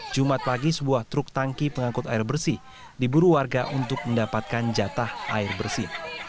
jumat pagi sebuah truk tangki pengangkut air bersih diburu warga untuk mendapatkan jatah air bersih